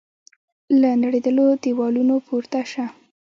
له نړېدلو دیوالو پورته سه